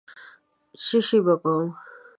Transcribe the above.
څشي به کوم.